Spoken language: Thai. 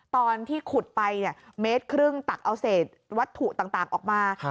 ตอนที่ขุดไปเมตรครึ่งตักเอาเศษวัตถุต่างออกมา